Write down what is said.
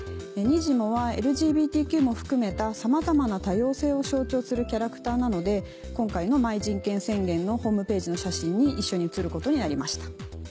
にじモはＬＧＢＴＱも含めたさまざまな多様性を象徴するキャラクターなので今回のＭｙじんけん宣言のホームページの写真に一緒に写ることになりました。